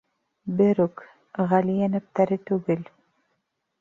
— Берүк, ғәли йәнәптәре түгел...